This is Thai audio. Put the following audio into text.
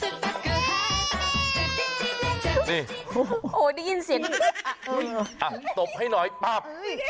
นี่โอ้โฮได้ยินเสียจริงอ่ะตบให้หน่อยป๊าบ